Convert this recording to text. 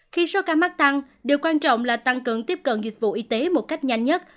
khi số ca mắc tăng điều quan trọng là tăng cường tiếp cận dịch vụ y tế một cách nhanh nhất